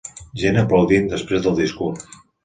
Gent aplaudint després del discurs.